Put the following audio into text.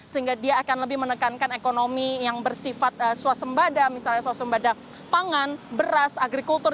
sehingga dia akan lebih menekankan ekonomi yang bersifat suasembada misalnya suasembada pangan beras agrikultur